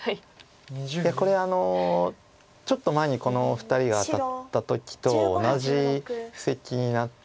いやこれちょっと前にこのお二人が当たった時と同じ布石になっているので。